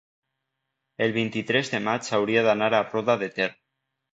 el vint-i-tres de maig hauria d'anar a Roda de Ter.